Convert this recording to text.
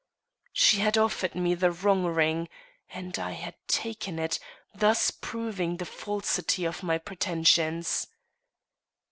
She had offered me the wrong ring, and I had taken it, thus proving the falsity of my pretensions.